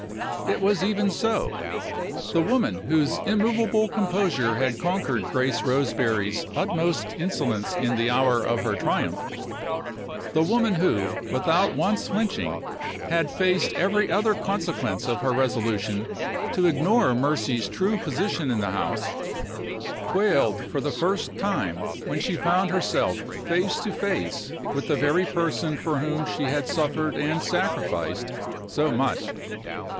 It was even so. The woman whose immovable composure had conquered Grace Roseberry's utmost insolence in the hour of her triumph the woman who, without once flinching, had faced every other consequence of her resolution to ignore Mercy's true position in the house quailed for the first time when she found herself face to face with the very person for who m she had suffered and sacrificed so much.